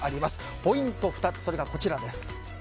ポイント２つ、それがこちら。